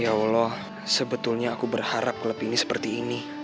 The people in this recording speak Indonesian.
ya allah sebetulnya aku berharap klub ini seperti ini